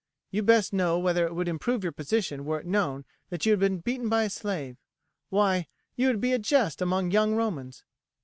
You best know whether it would improve your position were it known that you had been beaten by a slave. Why, you would be a jest among young Romans."